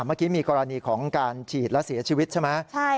เมื่อกี้มีกรณีของการฉีดแล้วเสียชีวิตใช่ไหม